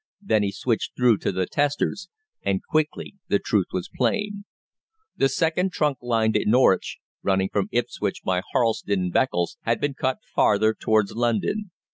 Then he switched through to the testers, and quickly the truth was plain. The second trunk line to Norwich, running from Ipswich by Harleston and Beccles, had been cut farther towards London.